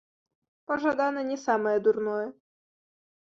Пажадана не самае дурное.